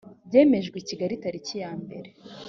byemejwe i kigali tariki yambere